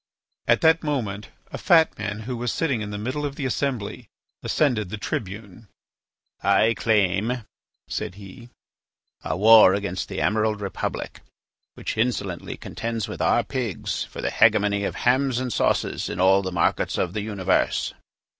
At that moment a fat man who was sitting in the middle of the assembly ascended the tribune. "I claim," said he, "a war against the Emerald Republic, which insolently contends with our pigs for the hegemony of hams and sauces in all the markets of the universe."